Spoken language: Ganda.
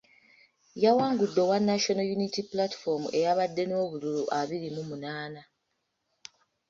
Yawangude owa National Unity Platform eyabadde n’obululu abiri mu munaana.